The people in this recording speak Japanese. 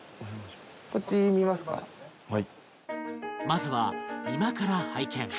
まずは居間から拝見